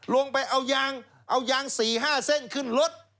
ลงไปเอายาง๔๕เส้นขึ้นรถ